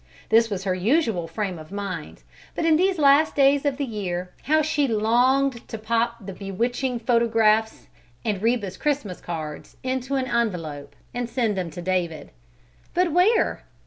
This was her usual frame of mind, but in these last days of the year how she longed to pop the bewitching photographs and Reba's Christmas cards into an envelope and send them to David. But where?